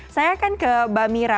saya akan ke mbak mira